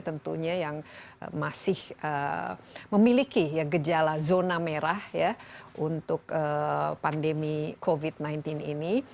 tentunya yang masih memiliki gejala zona merah untuk pandemi covid sembilan belas ini